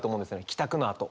帰宅のあと